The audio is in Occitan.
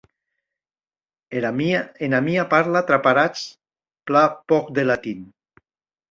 Ena mia parla traparatz plan pòc de latin.